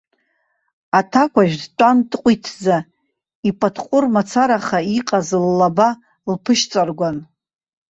Аҭакәажә дтәан дҟәиҭӡа, ипатҟәыр мацараха иҟаз ллаба лԥышьҵаргәан.